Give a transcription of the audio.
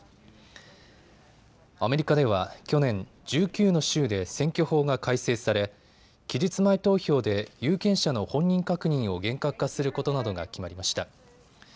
アメリカでは去年、１９の州で選挙法が改正され期日前投票で有権者の本人確認を厳格化することなどが決まりました。